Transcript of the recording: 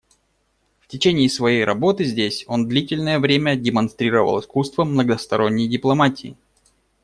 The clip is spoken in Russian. В течение своей работы здесь он длительное время демонстрировал искусство многосторонней дипломатии.